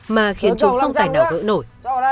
mà khiến chúng không tài nào gỡ nổi